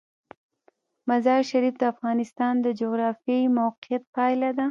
مزارشریف د افغانستان د جغرافیایي موقیعت پایله ده.